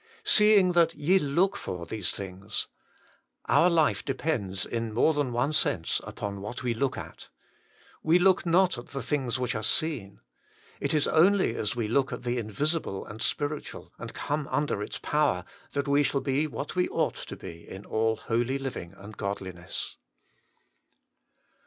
3. ' Seeing that ye look for these things.' Our life depends, in more than one sense, upon what we look at. ' We look not at the things which are seen.' It is only as we look at the Invisible and Spiritual, and come under its power, that we shall be what we ought to be in all holy living and godliness.